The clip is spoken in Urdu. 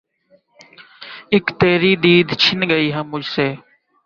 اِک تیری دید چِھن گئی مجھ سے